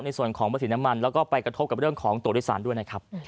ในส่วนของเบอร์สีแนะมันและกระทบเรื่องของตัวโดยสาร